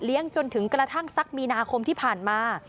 จนถึงกระทั่งสักมีนาคมที่ผ่านมา